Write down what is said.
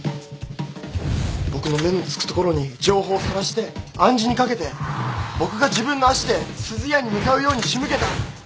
僕の目の付く所に情報をさらして暗示にかけて僕が自分の足ですずやに向かうように仕向けた。